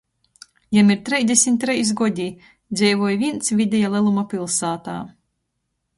Jam ir treisdesmit treis godi, dzeivoj vīns videja leluma piļsātā.